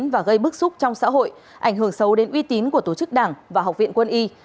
và gây bức xúc trong xã hội ảnh hưởng sâu đến uy tín của tổ chức đảng và học viện quân y